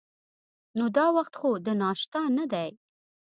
نو دا وخت خو د ناشتا نه دی.